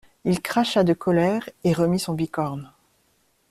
Il cracha de colère et remit son bicorne.